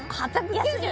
安い？